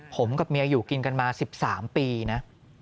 ผมกับเมียอยู่กินกันมา๑๓ปีนะ